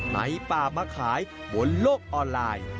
ในป่ามาขายบนโลกออนไลน์